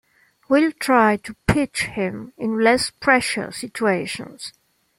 We'll try to pitch him in less pressure situations.